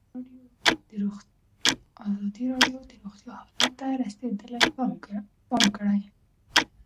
ازادي راډیو د روغتیا حالت ته رسېدلي پام کړی.